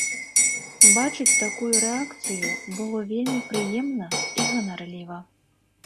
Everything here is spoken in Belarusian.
Бачыць такую рэакцыю было вельмі прыемна і ганарліва.